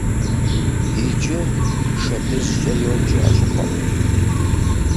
Иджы «ШэдыжькӀэ» йоджэ а щӏыпӏэм.